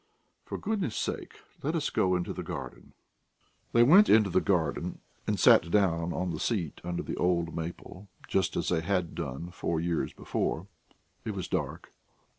For goodness' sake let us go into the garden." They went into the garden and sat down on the seat under the old maple, just as they had done four years before. It was dark.